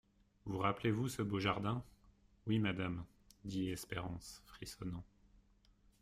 Vous rappelez-vous ce beau jardin ? Oui, madame, dit Espérance, frissonnant.